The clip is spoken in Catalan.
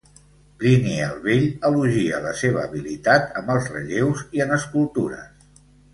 Plini el Vell elogia la seva habilitat amb els relleus i en escultures.